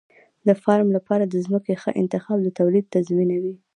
د فارم لپاره د ځمکې ښه انتخاب د تولید تضمینوي.